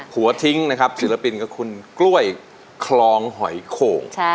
หัวทิ้งนะครับศิลปินกับคุณกล้วยคลองหอยโข่ง